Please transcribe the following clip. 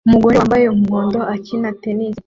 umugore wambaye umuhondo ukina tennis